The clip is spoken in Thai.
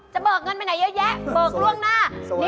เบิกเงินไปไหนเยอะแยะเบิกล่วงหน้า